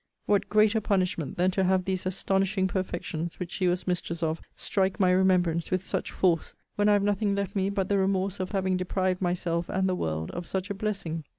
What greater punishment, than to have these astonishing perfections, which she was mistress of, strike my remembrance with such force, when I have nothing left me but the remorse of having deprived myself and the world of such a blessing?